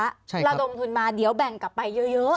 ระดมทุนมาเดี๋ยวแบ่งกลับไปเยอะ